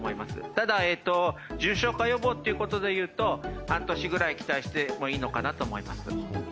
ただ、重症化予防でいうと、半年くらい期待してもいいのかなと思います。